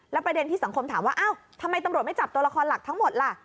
ประเด็นที่สังคมถามว่าอ้าวทำไมตำรวจไม่จับตัวละครหลักทั้งหมดล่ะ